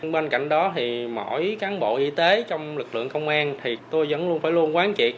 bên cạnh đó thì mỗi cán bộ y tế trong lực lượng công an thì tôi vẫn luôn phải luôn quán triệt